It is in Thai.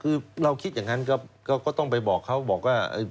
คือเราคิดอย่างนั้นก็ต้องไปบอกเขาบอกว่า